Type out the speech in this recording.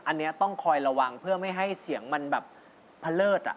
อันนี้ต้องคอยระวังเพื่อไม่ให้เสียงมันแบบเพลิศ